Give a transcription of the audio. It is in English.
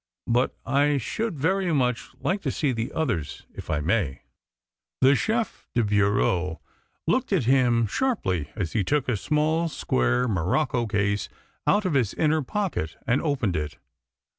But I should very much like to see the others, if I may." The Chef de Bureau looked at him sharply as he took a small square morocco case out of his inner pocket and opened it.